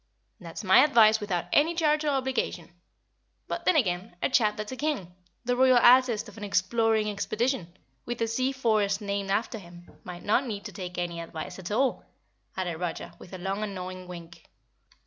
That's my advice without any charge or obligation. But then again, a chap that's a King, the Royal Artist of an exploring expedition, with a sea forest named after him, might not need to take any advice at all," added Roger with a long and knowing wink.